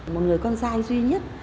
một người con trai duy nhất